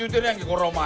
これお前！